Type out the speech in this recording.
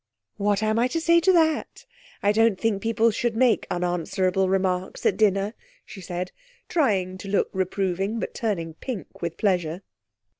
'What am I to say to that? I don't think people should make unanswerable remarks at dinner,' she said, trying to look reproving, but turning pink with pleasure.